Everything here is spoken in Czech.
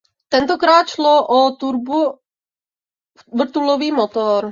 Tentokrát šlo o turbovrtulový motor.